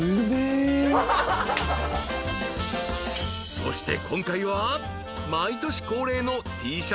［そして今回は］